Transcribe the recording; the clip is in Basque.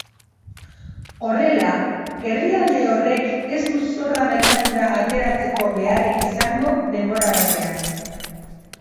Horrela, herrialde horrek ez du zorra merkatura ateratzeko beharrik izango denbora batean.